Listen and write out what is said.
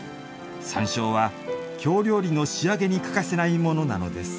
山椒は、京料理の仕上げに欠かせないものなのです。